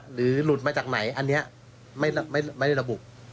หลุดมาจากไหนอันนี้ไม่ได้ระบุ